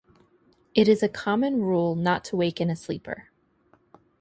It is a common rule not to waken a sleeper.